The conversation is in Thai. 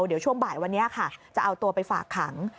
เดี๋ยวช่วงบ่ายวันนี้ค่ะจะเอาตัวไปฝากขัง